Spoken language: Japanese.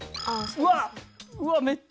うわっ！